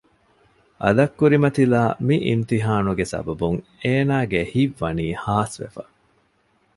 އަލަށް ކުރިމަތިލާ މި އިމްތިހާނުގެ ސަބަބުން އޭނާގެ ހިތްވަނީ ހާސްވެފަ